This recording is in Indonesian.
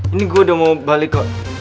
ini gue udah mau balik kok